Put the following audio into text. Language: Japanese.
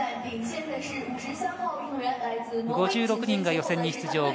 ５６人が予選に出場。